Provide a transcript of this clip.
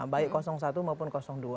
baik satu maupun dua